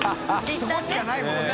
いったんね。